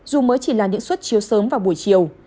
dù mới chỉ là những xuất chiếu sớm vào buổi chiều